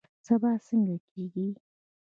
سبا څنګه کیږي؟